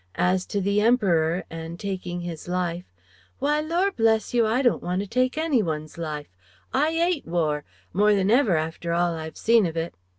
As to the Emperor, and taking his life "why lor' bless you, I don't want to take any one's life. I 'ate war, more than ever after all I've seen of it.